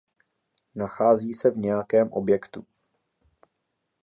Nachází se v nějakém objektu.